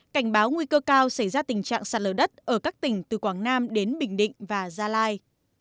cảnh báo nguy cơ cao xảy ra tình trạng sạt lở đất ở các tỉnh từ quảng nam đến bình định và gia lai